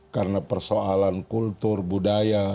karena persoalan kultur budaya